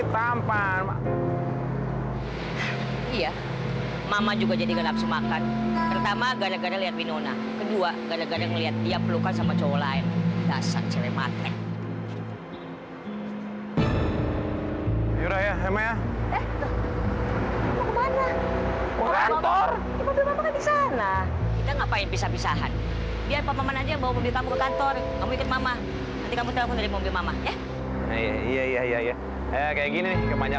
sampai jumpa di video selanjutnya